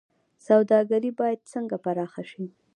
سوداګري باید څنګه پراخه شي؟